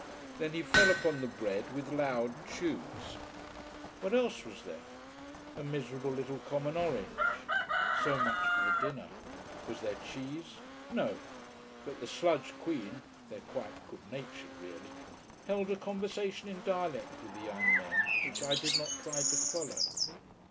Then he fell upon the bread with loud chews. What else was there? A miserable little common orange. So much for the dinner. Was there cheese? No. But the sludge queen they are quite good natured really held a conversation in dialect with the young men, which I did not try to follow.